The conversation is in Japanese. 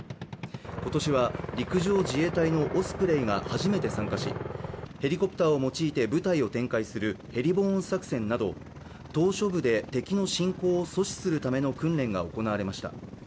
今年は陸上自衛隊のオスプレイが初めて参加し、ヘリコプターを用いて部隊を展開するヘリボーン作戦など島しょ部で敵の侵攻を阻止するための訓練が行われました。